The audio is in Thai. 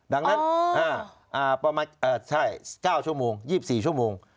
ดังนั้นประมาณ๙ชั่วโมง๒๔ชั่วโมง